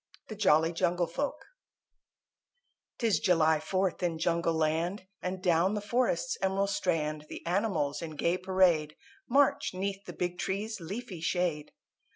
THE JOLLY JUNGLE FOLK 'Tis July Fourth in Jungle Land, And down the Forest's Emerald Strand The animals in gay parade March 'neath the big trees' leafy shade.